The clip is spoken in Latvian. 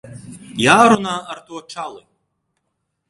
Jārunā ar to čali.